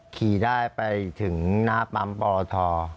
ขี่ได้ไปถึงหน้าปั๊มปอท